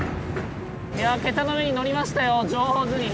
いや桁の上に乗りましたよ上手に。